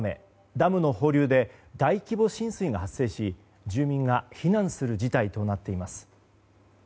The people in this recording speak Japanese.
ダムの放流で大規模浸水が発生し住民が避難する事態となっています。